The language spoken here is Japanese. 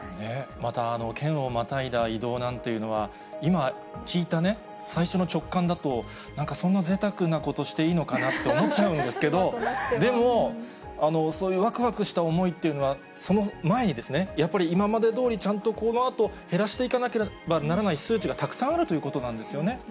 また、県をまたいだ移動なんていうのは、今、聞いた最初の直感だと、なんかそんなぜいたくなことしていいのかなと思っちゃうんですけど、でも、そういうわくわくした思いというのは、その前に、やっぱり今までどおりちゃんとこのあと減らしていかなければならない数値がたくさんあるということなんですよね。